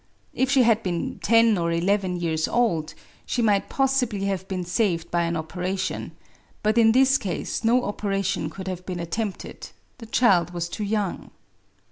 If she had been ten or eleven years old, she might possibly have been saved by an operation ; but in this case no operation could have been attempted — the child was too young."